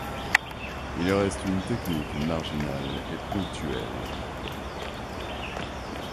Il reste une technique marginale et ponctuelle.